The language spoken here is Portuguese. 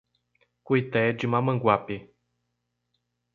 Cuité de Mamanguape